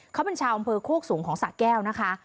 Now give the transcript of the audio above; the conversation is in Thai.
เขาเป็นชาวอำเภอโคกสูงของสะแก้วนะคะ